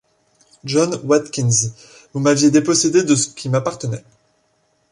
John Watkins, vous m’aviez dépossédé de ce qui m’appartenait!...